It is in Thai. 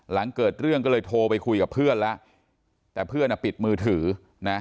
หลังเกิดเรื่องก็เลยโทรไปคุยกับเพื่อนแล้วแต่เพื่อนอ่ะปิดมือถือนะ